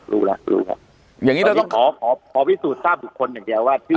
รู้แล้วรู้ครับอย่างงี้เราต้องขอขอขอวิสูจน์ทราบทุกคนอย่างเดียวว่า